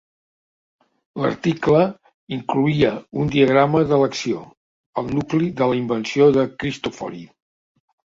L'article incloïa un diagrama de l'acció, el nucli de la invenció de Cristofori.